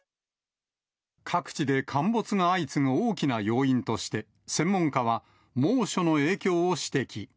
各地で陥没が相次ぐ大きな要因として、専門家は、猛暑の影響を指摘。